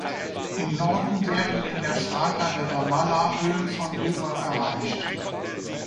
Im Norden werden in der Fraga de Ramalla Höhen von über erreicht.